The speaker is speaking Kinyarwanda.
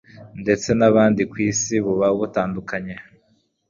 ndetse n'ahandi ku Isi buba butandukanye.